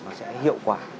nó sẽ hiệu quả